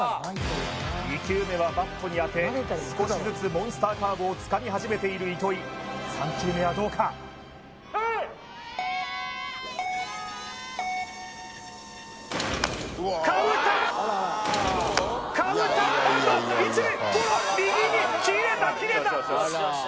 ２球目はバットに当て少しずつモンスターカーブをつかみ始めている糸井３球目はどうかプレーカーブ打ったカーブ打ったおっと１塁ゴロ右に切れた切れたよしよしよしよし